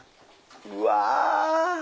うわ！